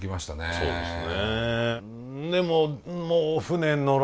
そうですね。